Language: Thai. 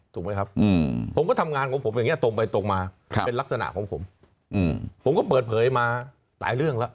ถูกไหมครับผมก็ทำงานของผมอย่างนี้ตรงไปตรงมาเป็นลักษณะของผมผมก็เปิดเผยมาหลายเรื่องแล้ว